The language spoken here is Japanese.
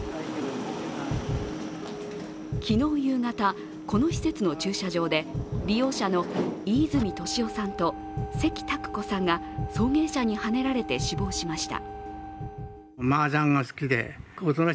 昨日夕方、この施設の駐車場で利用者の飯泉利夫さんと関拓子さんが送迎車にはねられて死亡しました。